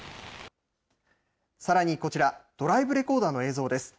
さらにこちら、ドライブレコーダーの映像です。